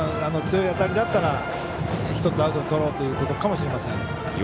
強い当たりだったら１つアウトとろうということかもしれません。